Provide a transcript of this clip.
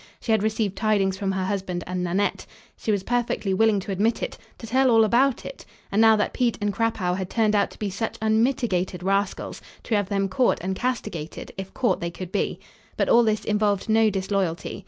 She had received tidings from her husband and Nanette. She was perfectly willing to admit it, to tell all about it, and, now that Pete and Crapaud had turned out to be such unmitigated rascals, to have them caught and castigated, if caught they could be. But all this involved no disloyalty.